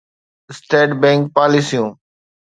state bank پاليسيون